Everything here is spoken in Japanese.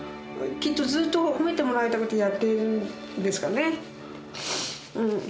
きっとずっと褒めてもらいたくてやってるんですかね。